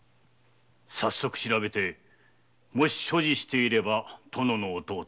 早速調べて所持していれば殿の弟。